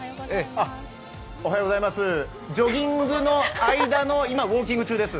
ジョギングの間の今、ウォーキング中です。